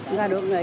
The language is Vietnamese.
người ta được nghỉ